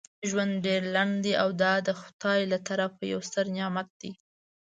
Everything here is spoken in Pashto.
ژوند ډیر لنډ دی او دا دخدای له طرفه یو ستر نعمت دی.